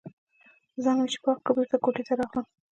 ځان مې چې پاک کړ، بېرته کوټې ته راغلم.